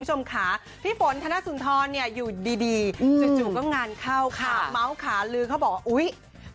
ผู้ชมขาพี่ฝนงานธนสน์ธอณอยู่ดีจุดจุดก็งานเข้ามาเจอกสัญลามูฆ์ขาฤาบิน